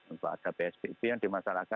maka ada pspp yang dimasalahkan